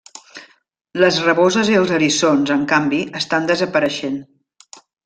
Les raboses i els eriçons, en canvi, estan desapareixent.